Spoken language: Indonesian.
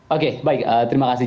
oke baik terima kasih